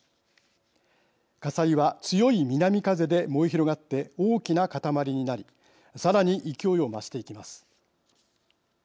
火災は強い南風で燃え広がって大きな塊になりさらに勢いを増していきます。